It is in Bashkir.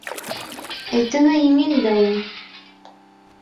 - Әйтеүе еңел дә у...